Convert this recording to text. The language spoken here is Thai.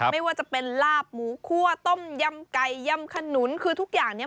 ไม่ว่าจะเป็นลาบหมูคั่วต้มยำไก่ยำขนุนคือทุกอย่างเนี่ย